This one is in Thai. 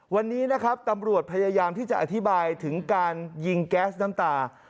วันนี้นะครับตำรวจพยายามที่จะอธิบายถึงการยิงแก๊สน้ำตา